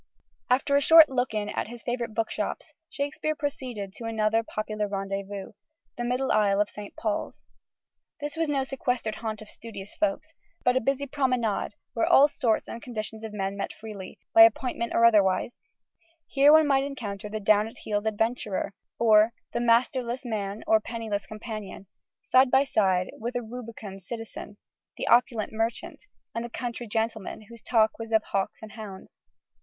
After a short look in at his favourite bookshops, Shakespeare proceeded to another popular rendezvous the middle aisle of St. Paul's. This was no sequestered haunt of studious folk, but a busy promenade where all sorts and conditions of men met freely, by appointment or otherwise: here one might encounter the down at heels adventurer, the "masterless man or penniless companion," side by side with the rubicund citizen, the opulent merchant, and the country gentleman whose talk was of hawks and hounds.